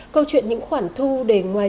câu chuyện những khoản thu để ngoài